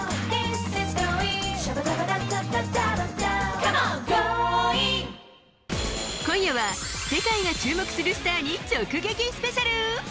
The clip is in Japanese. この後今夜は世界が注目するスターに直撃スペシャル。